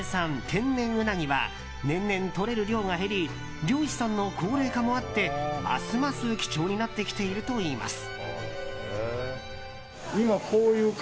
天然ウナギは年々とれる量が減り漁師さんの高齢化もあってますます貴重になってきているといいます。